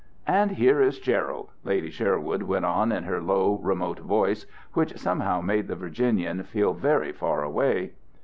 "And here is Gerald," Lady Sherwood went on in her low remote voice, which somehow made the Virginian feel very far away.